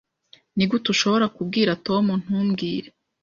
Nigute ushobora kubwira Tom ntumbwire?